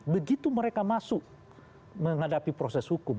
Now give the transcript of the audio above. begitu mereka masuk menghadapi proses hukum